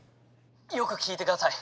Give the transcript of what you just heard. よく聞いてください。